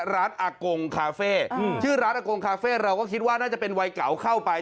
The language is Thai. อากงคาเฟ่ชื่อร้านอากงคาเฟ่เราก็คิดว่าน่าจะเป็นวัยเก่าเข้าไป